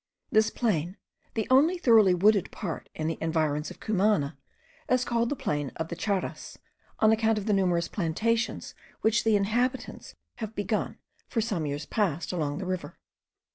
This plain, the only thoroughly wooded part in the environs of Cumana, is called the Plain of the Charas,* on account of the numerous plantations which the inhabitants have begun, for some years past, along the river.